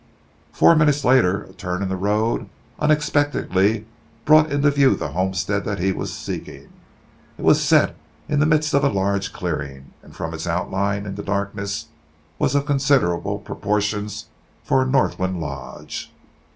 Four minutes later, a turn in the road unexpectedly brought into view the homestead that he was seeking. It was set in the midst of a large clearing, and from its outline in the darkness was of considerable proportions for a Northland lodge.